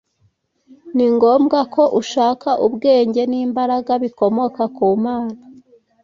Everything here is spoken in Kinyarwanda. ni ngobwa ko ushaka ubwenge n’imbaraga bikomoka ku Mana